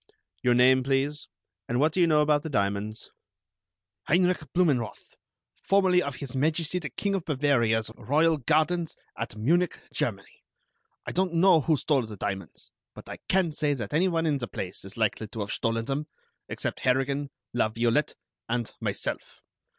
"Your name, please. And what do you know about the diamonds?" "Heinrich Blumenroth, formerly of His Majesty the King of Bavaria's royal gardens at Munich, Germany. I don't know who stole the diamonds, but I can say that any one in the place is likely to have stolen them, except Harrigan, La Violette, and myself.